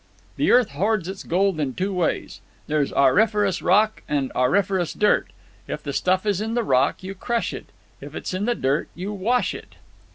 The earth hoards its gold in two ways. There's auriferous rock and auriferous dirt. If the stuff is in the rock, you crush it. If it's in the dirt, you wash it."